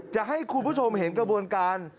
จะให้คุณผู้ชมเห็นกระบวนการ